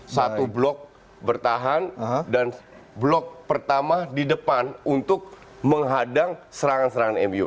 satu blok bertahan dan blok pertama di depan untuk menghadang serangan serangan mu